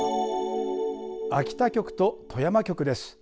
秋田局と富山局です。